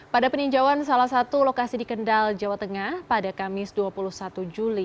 pada peninjauan salah satu lokasi di kendal jawa tengah pada kamis dua puluh satu juli